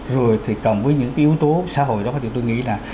rồi thì cộng với những cái yếu tố xã hội đó thì tôi nghĩ là